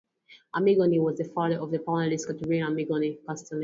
Amigoni was the father of the pastellist Caterina Amigoni Castellini.